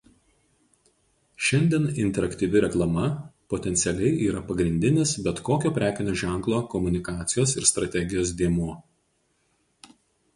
Šiandien interaktyvi reklama potencialiai yra pagrindinis bet kokio prekinio ženklo komunikacijos ir strategijos dėmuo.